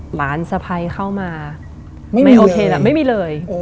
หลานสภัยเข้ามาไม่โอเคแหละไม่มีเลยโอ้โห